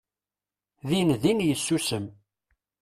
Dindin yessusem.